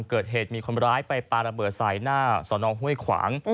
เกิดเหตุมีคนร้ายไปปลาระเบิดใส่หน้าสอนองห้วยขวาง